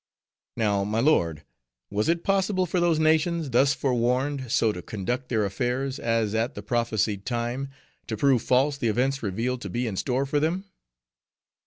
Now, my lord, was it possible for those nations, thus forwarned, so to conduct their affairs, as at, the prophesied time, to prove false the events revealed to be in store for them?"